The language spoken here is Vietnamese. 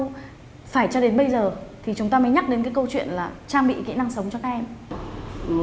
vậy thì tại sao phải cho đến bây giờ thì chúng ta mới nhắc đến cái câu chuyện là trang bị kỹ năng sống cho các em